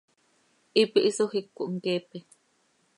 Hipi hisoj iic cohmqueepe.